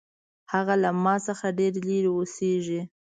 هغه له ما څخه ډېر لرې اوسیږي